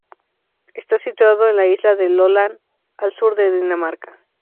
Está situado en la isla de Lolland, al sur de Dinamarca.